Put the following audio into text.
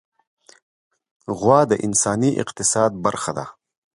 غوا د انساني اقتصاد برخه ده.